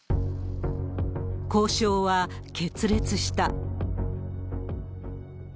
交渉は決裂した。